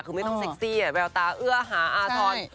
คือไม่ต้องเซ็กซี่แววตาเอื้อหาอาทร